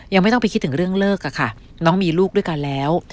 ยังไม่ต้องไปคิดถึงเรื่องเลิกอะค่ะน้องมีลูกด้วยกันแล้ว